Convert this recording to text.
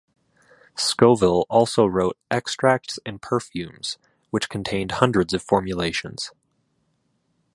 Scoville also wrote "Extracts and Perfumes", which contained hundreds of formulations.